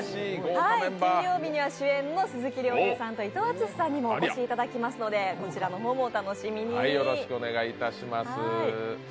金曜日には主演の鈴木亮平さんと伊藤淳史さんにもお越しいただきますのでこちらの方もお楽しみに。